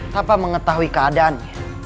tanpa mengetahui keadaannya